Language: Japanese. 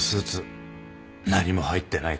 何も入ってないかばん。